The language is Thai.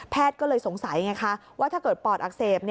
แพทย์ก็เลยสงสัยว่าถ้าเกิดปอดอักเสบ